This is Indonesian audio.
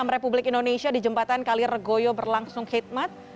republik indonesia di jembatan kalirgoyo berlangsung khidmat